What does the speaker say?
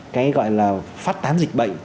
cái gọi là phát tán dịch bệnh